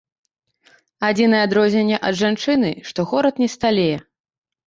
Адзінае адрозненне ад жанчыны, што горад не сталее.